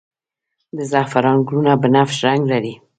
د زعفران ګلونه بنفش رنګ لري